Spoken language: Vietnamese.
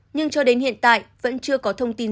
nhưng cho đến hiện tại vẫn chưa có thông tin